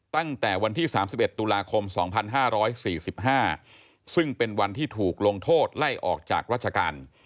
ตั้งแต่วันที่๓๑ตุลาคม๒๕๔๕ซึ่งเป็นวันที่ถูกลงโทษไล่ออกจากราชการ